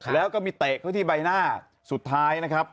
แล้วก็มีเตะเข้าที่ใบหน้าสุดท้ายนะครับ